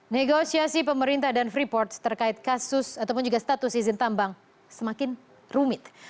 negosiasi pemerintah dan freeport terkait kasus ataupun juga status izin tambang semakin rumit